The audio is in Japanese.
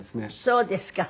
そうですか。